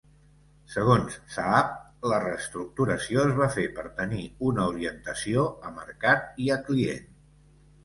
Segons Saab, la reestructuració es va fer per tenir una orientació a mercat i a client.